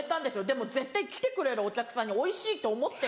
でも絶対来てくれるお客さんにおいしいと思って。